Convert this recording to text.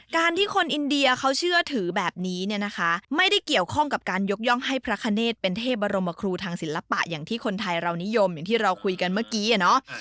การที่คนอินเดียเขาเชื่อถือแบบนี้เนี่ยนะคะไม่ได้เกี่ยวข้องกับการยกย่องให้พระคเนธเป็นเทพบรมครูทางศิลปะอย่างที่คนไทยเรานิยมอย่างที่เราคุยกันเมื่อกี้อะเนาะ